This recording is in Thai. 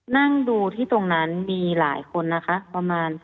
นั่งดูที่ตรงนั้นมีหลายคนนะคะประมาณ